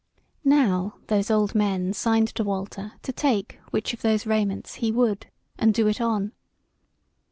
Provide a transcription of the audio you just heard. Now those old men signed to Walter to take which of those raiments he would, and do it on.